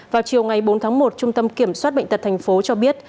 vào chiều ngày bốn tháng một trung tâm kiểm soát bệnh tật tp hcm cho biết